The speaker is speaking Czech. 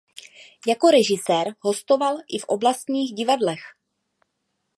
Jako režisér hostoval i v oblastních divadlech.